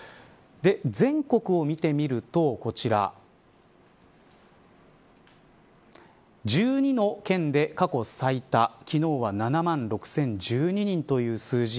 全国を見てみると、こちら１２の県で過去最多昨日は７万６０１２人という数字。